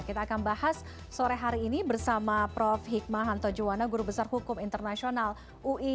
kita akan bahas sore hari ini bersama prof hikmahanto juwana guru besar hukum internasional ui